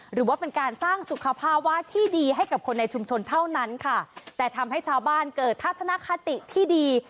หรือว่าเป็นการสร้างสุขภาวะที่ดีให้กับคนในชุมชนเท่านั้นค่ะแต่ทำให้ชาวบ้านเกิดทัศนคติที่ดี